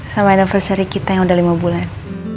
sama inversary kita yang udah lima bulan